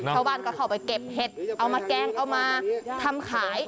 ชาวบ้านก็เข้าไปเก็บเห็ดเอามาแกงเอามาทำขาย